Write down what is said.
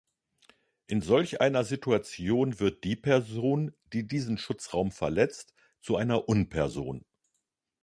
In solch einer Situation wird die Person, die diesen Schutzraum verletzt, zu einer Unperson.